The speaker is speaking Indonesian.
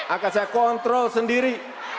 akan saya kontrol sendiri